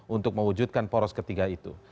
untuk mewujudkan poros ketiga itu